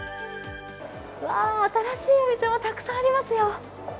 うわ、新しいお店もたくさんありますよ。